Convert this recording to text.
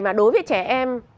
mà đối với trẻ em